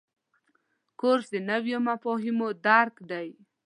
کورس د نویو مفاهیمو درک دی.